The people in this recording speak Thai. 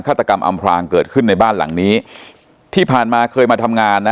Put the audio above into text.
ตกรรมอำพลางเกิดขึ้นในบ้านหลังนี้ที่ผ่านมาเคยมาทำงานนะ